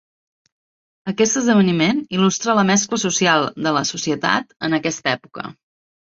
Aquest esdeveniment il·lustra la mescla social de la societat en aquesta època.